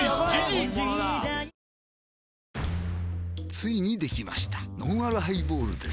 ついにできましたのんあるハイボールです